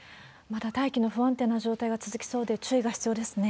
まだ大気の不安定な状態が続きそうで、注意が必要ですね。